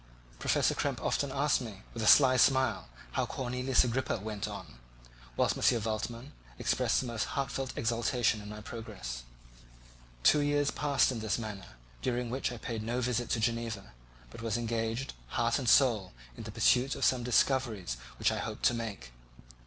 Professor Krempe often asked me, with a sly smile, how Cornelius Agrippa went on, whilst M. Waldman expressed the most heartfelt exultation in my progress. Two years passed in this manner, during which I paid no visit to Geneva, but was engaged, heart and soul, in the pursuit of some discoveries which I hoped to make.